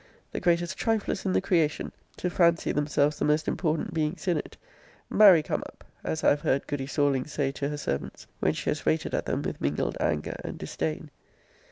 ] the greatest triflers in the creation, to fancy themselves the most important beings in it marry come up! as I have heard goody Sorlings say to her servants, when she has rated at them with mingled anger and disdain.'